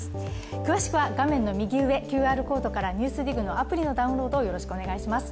詳しくは画面の右上、ＱＲコードから「ＮＥＷＳＤＩＧ」のアプリのダウンロードをよろしくお願いします。